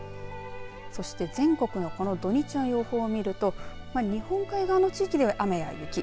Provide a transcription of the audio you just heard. そして全国のこの土日の予報を見ると日本海側の地域では雨や雪。